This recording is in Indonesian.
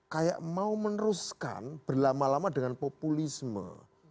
kayak mau meneruskan berlama lama dengan populisme